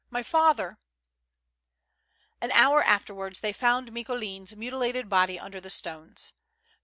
my father !" An hour afterwards they found Micoulin's mutilated body under the stones.